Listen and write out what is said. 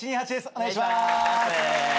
お願いします。